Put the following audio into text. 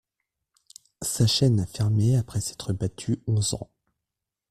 Sa chaîne a fermé après s'être battu onze ans.